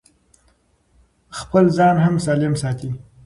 خپل ځان هم سالم ساتي.